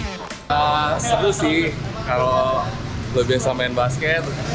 di pertandingan resmi waktu permainan full ball adalah dua x lima belas menit